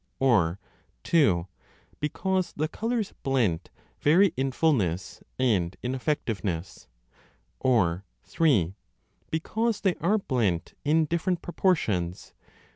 Or (2) because the colours blent vary in fullness and in effectiveness. Or (3) because they are blent in different proportions.